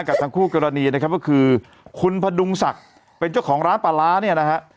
กับทางคู่กรณีนะครับก็คือคุณพดุงศักดิ์เป็นเจ้าของร้านปลาร้าเนี่ยนะฮะ